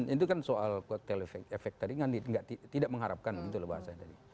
itu kan soal kotel efek tadi kan tidak mengharapkan gitu loh bahasanya tadi